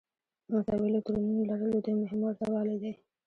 د مساوي الکترونونو لرل د دوی مهم ورته والی دی.